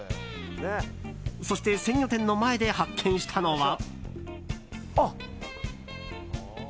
そして鮮魚店の前で発見したのは。